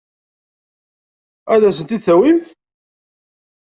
Ad asent-t-id-tawimt?